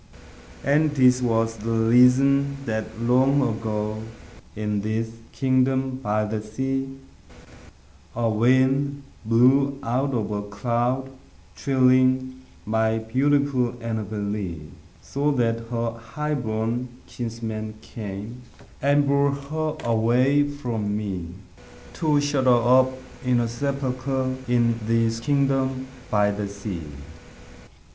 And this was the reason that, long ago, In this kingdom by the sea, A wind blew out of a cloud, chilling My beautiful Annabel Lee; So that her highborn kinsman came And bore her away from me, To shut her up in a sepulchre In this kingdom by the sea.